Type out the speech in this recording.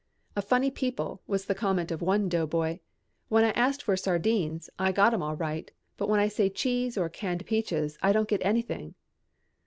"A funny people," was the comment of one doughboy, "when I ask for 'sardines' I get 'em all right, but when I say 'cheese' or 'canned peaches' I don't get anything."